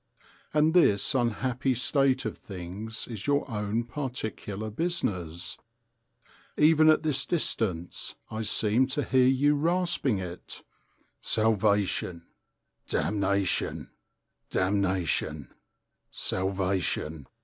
And this unhappy state of things is your own particular business. Even at this distance I seem to hear you rasping it: "Salvation, damnation, damnation, salvation!"